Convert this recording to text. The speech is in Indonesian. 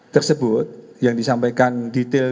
tersebut yang disampaikan detail